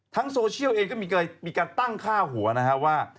โซเชียลเองก็มีการตั้งค่าหัวนะครับว่า